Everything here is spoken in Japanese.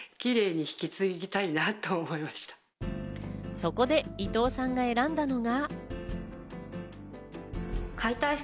そこで伊藤さんが選んだのが。